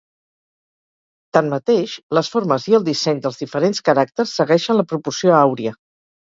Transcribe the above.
Tanmateix, les formes i el disseny dels diferents caràcters segueixen la proporció àuria.